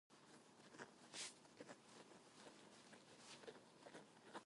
The six schools were named as the Robert F. Kennedy Community Schools.